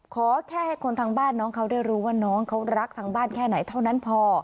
ขอแค่ให้คนทางบ้านน้องเขาได้รู้ว่าน้องเขารักทางบ้านแค่ไหนเท่านั้นพอ